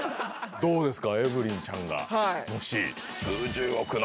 どうですか？